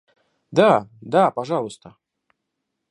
Да, да, пожалуйста.